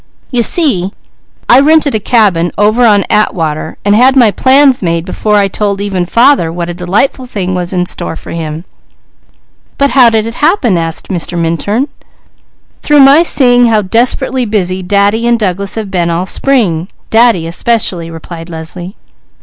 "You see I rented a cabin over at Atwater and had my plans made before I told even father what a delightful thing was in store for him." "But how did it happen?" "Through my seeing how desperately busy Daddy and Douglas have been all spring, Daddy especially," replied Leslie.